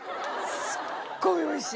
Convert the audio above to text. すっごいおいしい！